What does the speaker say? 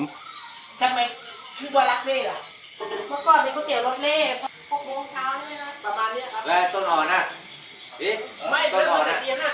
บ้านเลขที่เท่าไหร่